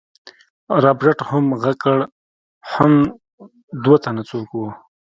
رابرټ هم غږ کړ حم دوه تنه څوک وو.